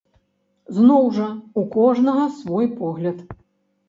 Зноў жа, у кожнага свой погляд.